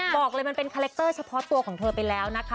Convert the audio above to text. บอกเลยมันเป็นคาแรคเตอร์เฉพาะตัวของเธอไปแล้วนะคะ